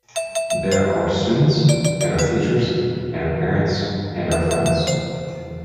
They're our students and our teachers and our parents and our friends.